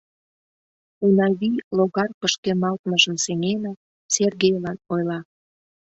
— Унавий, логар пышкемалтмыжым сеҥенак, Сергейлан ойла.